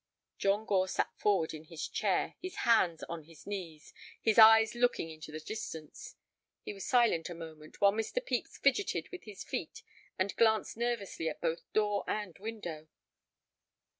John Gore sat forward in his chair, his hands on his knees, his eyes looking into the distance. He was silent a moment, while Mr. Pepys fidgeted with his feet and glanced nervously at both door and window.